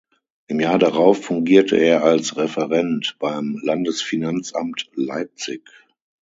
Im Jahr darauf fungierte er als Referent beim Landesfinanzamt Leipzig.